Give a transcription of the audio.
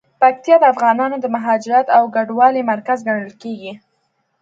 پکتیکا د افغانانو د مهاجرت او کډوالۍ مرکز ګڼل کیږي.